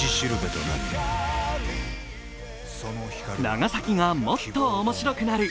長崎がもっと面白くなる。